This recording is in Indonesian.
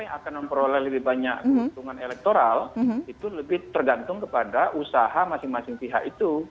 yang akan memperoleh lebih banyak keuntungan elektoral itu lebih tergantung kepada usaha masing masing pihak itu